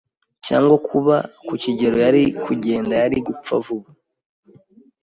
cyangwa kuba ku kigero yari kugenda yari gupfa vuba ...